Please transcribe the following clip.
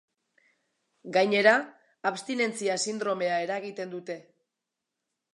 Gainera, abstinentzia sindromea eragiten dute.